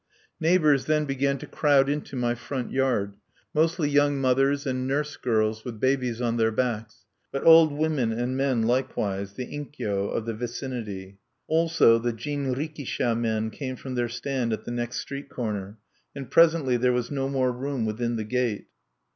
Neighbors then began to crowd into my front yard, mostly young mothers and nurse girls with babies on their backs, but old women and men likewise the inkyo of the vicinity. Also the jinrikisha men came from their stand at the next street corner; and presently there was no more room within the gate.